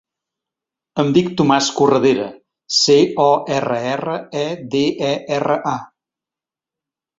Em dic Tomàs Corredera: ce, o, erra, erra, e, de, e, erra, a.